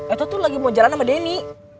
eto tuh lagi mau jalan sama denny